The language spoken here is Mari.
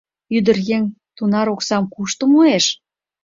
Ӱдыр еҥ тунар оксам кушто муэш?